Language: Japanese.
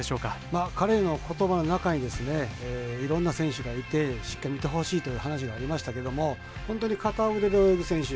まあ彼の言葉の中にですねいろんな選手がいてしっかり見てほしいという話がありましたけども本当に片腕で泳ぐ選手